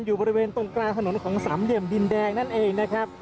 อยู่บริเวณตรงกลางถนนของสามเหลี่ยมดินแดงนั่นเองนะครับ